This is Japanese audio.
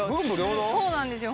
そうなんですよ